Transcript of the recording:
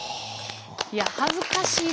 いや恥ずかしいな。